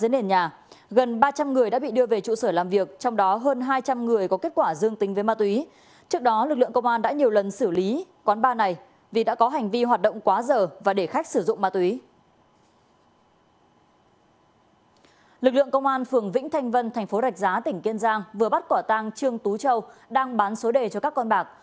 lực lượng công an phường vĩnh thanh vân thành phố rạch giá tỉnh kiên giang vừa bắt quả tàng trương tú châu đang bán số đề cho các con bạc